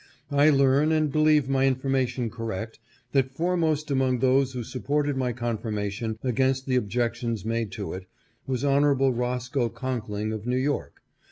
I learn, and believe my information correct, that fore most among those who supported my confirmation against the objections made to it, was Hon. Roscoe Conkling of New York.